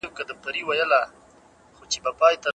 راشد خان تل په سختو حالاتو کې د مسؤلیت اخیستلو جرات لري.